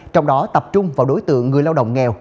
trong đó tập trung vào đối tượng người lao động nghèo